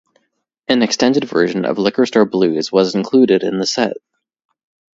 An extended version of "Liquor Store Blues" was included in the set.